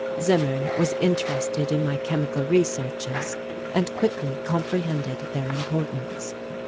Zimmern was interested in my chemical researches and quickly comprehended their importance.